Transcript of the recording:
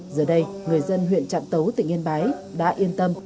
giờ đây người dân huyện trạm tấu tỉnh yên bái đã yên tâm